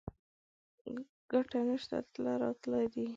ګټه نشته تله راتله دي